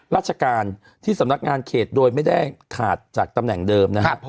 ราชการที่สำนักงานเขตโดยไม่ได้ขาดจากตำแหน่งเดิมนะครับ